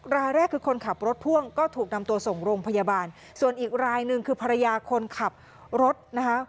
รายแรกคือคนขับรถพ่วงก็ถูกนำตัวส่งโรงพยาบาลส่วนอีกรายหนึ่งคือภรรยาคนขับรถนะคะ